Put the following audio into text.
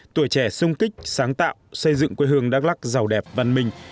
tuổi trẻ sung kích sáng tạo xây dựng quê hương đắk lắc giàu đẹp văn minh